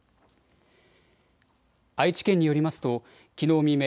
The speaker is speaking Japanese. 愛知県によりますときのう未明